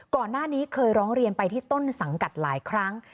ก่อนหน้านี้เคยร้องเรียนไปที่ต้นสังกัดหลายครั้ง